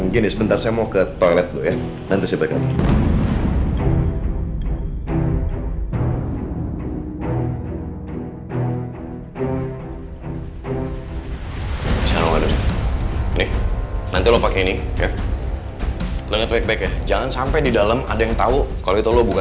gini sebentar saya mau ke toilet dulu ya